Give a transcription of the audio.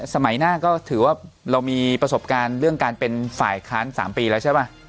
สมัยหน้าก็ถือว่าเรามีประสบการณ์เรื่องการเป็นฝ่ายค้าน๓ปีแล้วใช่ป่ะ